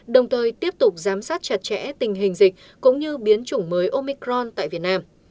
đồng thời tiếp tục giám sát chặt chẽ tình hình dịch cũng như biến chủng mới omicron tại việt nam